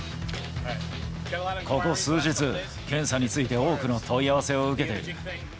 ここ数日、検査について多くの問い合わせを受けている。